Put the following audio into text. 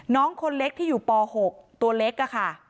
น้องคนเล็กที่อยู่ป๖ตัวเล็กค่ะ